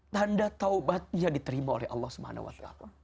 tanda taubatnya diterima oleh allah swt